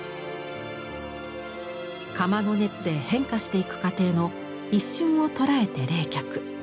窯の熱で変化していく過程の一瞬を捉えて冷却。